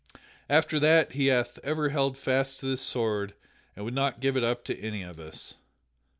After that he hath ever held fast to this sword and would not give it up to any of us."